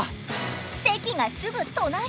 席がすぐ隣！